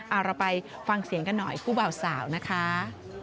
เอาเราไปฟังเสียงกันหน่อยผู้บ่าวสาวนะคะ